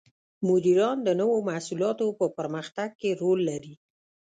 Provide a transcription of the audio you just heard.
مدیران د نوو محصولاتو په پرمختګ کې رول لري.